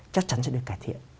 chắc chắn sẽ được cải thiện